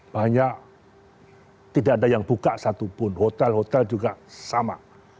banyak tidak ada yang buka satupun hotel hotel juga sama